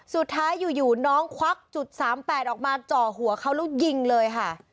สุดท้ายอยู่น้องควักจุด๓๘ออกมาจ่อหัวเขาแล้วยิงเลยค่ะ